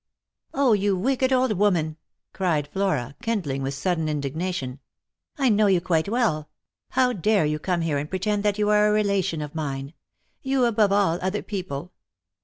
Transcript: " O, you wicked old woman !" cried Flora, kindling with sudden indignation. " I know you quite well. How dare you come here and pretend that you are a relation of mine ? You above all other people